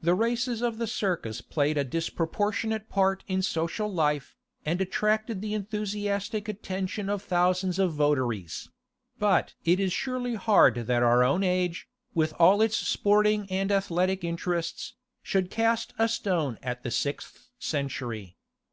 The races of the Circus played a disproportionate part in social life, and attracted the enthusiastic attention of thousands of votaries; but it is surely hard that our own age, with all its sporting and athletic interests, should cast a stone at the sixth century.